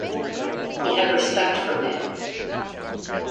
He had respect for me.